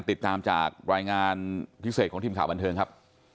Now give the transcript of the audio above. ติดตามจากรายงานพิเศษของทีมข่าวบันเทิงครับ